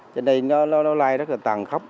trên đây nó lai rất là tàn khốc